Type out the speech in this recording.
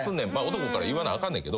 男から言わなあかんねんけど。